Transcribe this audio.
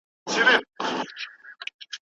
«دختر هزاره»